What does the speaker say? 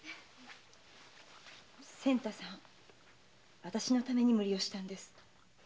仙太さん私のために無理したんです。